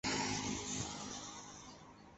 Esta labor llevó otros cinco años.